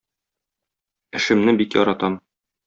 Эшемне бик яратам.